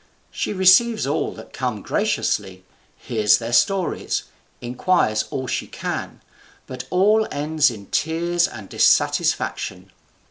She receives all that come graciously, hears their stories, inquires all she can, but all ends in tears and dissatisfaction.